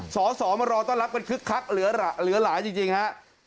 สอสอมารอต้อนรับกันคึกคักเหลือหลายจริงฮะ